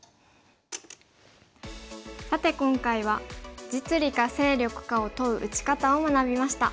さて今回は実利か勢力かを問う打ち方を学びました。